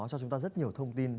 cho chúng ta rất nhiều thông tin